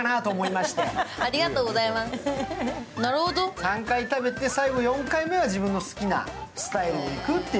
３回食べて最後４回目は自分の好きなスタイルでいくという。